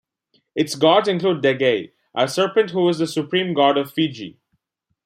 Its gods include Degei, a serpent who is the supreme god of Fiji.